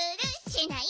しない？